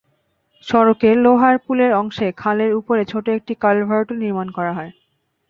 সড়কের লোহারপুলের অংশে খালের ওপরে ছোট একটি কালভার্টও নির্মাণ করা হয়।